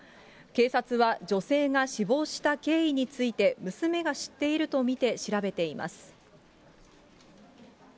警察は、女性が死亡した経緯について娘が知っていると見て調べています。